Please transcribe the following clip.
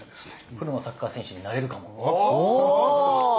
プロのサッカー選手になれるかも。